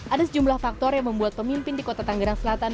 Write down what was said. ada sejumlah faktor yang membuat pemimpin di kota tanggerang selatan